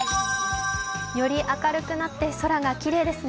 より明るくなって空がきれいですね。